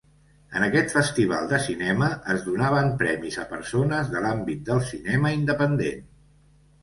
En aquest festival de cinema es donaven premis a persones de l'àmbit del cinema independent.